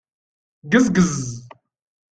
Ggezgez.